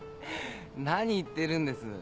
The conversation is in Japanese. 何言ってるんです？